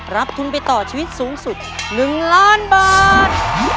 รับทุนไปต่อชีวิตสูงสุด๑ล้านบาท